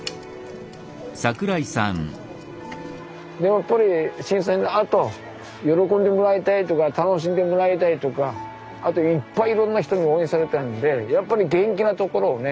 やっぱり震災のあと喜んでもらいたいとか楽しんでもらいたいとかあといっぱいいろんな人に応援されたんでやっぱり元気なところをね